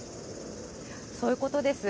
そういうことです。